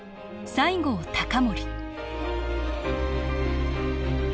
西郷隆盛